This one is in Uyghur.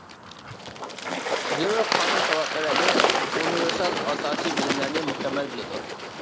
زۆرۈر قانۇن ساۋاتلىرىنى، ئۇنىۋېرسال ئاساسىي بىلىملەرنى مۇكەممەل بىلىدۇ.